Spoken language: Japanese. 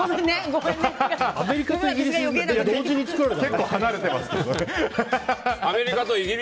結構離れてますけど。